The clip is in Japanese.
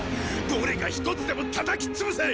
どれか一つでも叩きつぶせ！